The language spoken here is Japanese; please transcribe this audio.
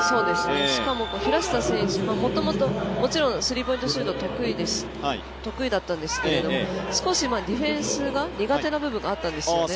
しかも平下選手は元々、もちろんスリーポイントシュートが得意だったんですけど少しディフェンスが苦手な部分があったんですよね。